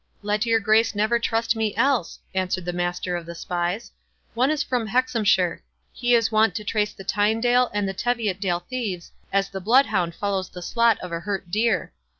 "Let your grace never trust me else," answered the master of the spies. "One is from Hexamshire; he is wont to trace the Tynedale and Teviotdale thieves, as a bloodhound follows the slot of a hurt deer.